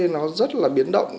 nó rất là biến động